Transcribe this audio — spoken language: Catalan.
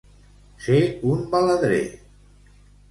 Ser un baladrer.